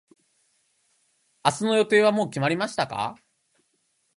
明日の予定はもう決まりましたか。